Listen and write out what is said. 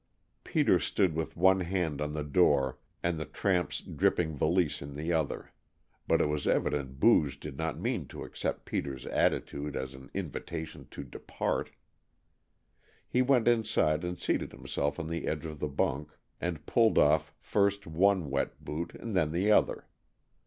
Peter stood with one hand on the door and the tramp's dripping valise in the other, but it was evident Booge did not mean to accept Peter's attitude as an invitation to depart. He went inside and seated himself on the edge of the bunk and pulled off first one wet boot, and then the other.